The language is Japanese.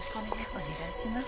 お願いします。